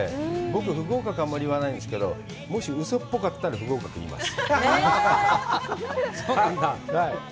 僕、不合格、あんまり言わないんですけど、もし、ウソっぽかったら不合格って言います。